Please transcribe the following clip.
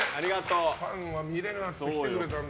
ファンは見れなくて来てくれたんだ。